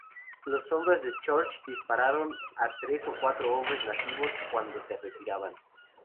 Los hombres de Church dispararon a tres o cuatro hombres nativos cuando se retiraban.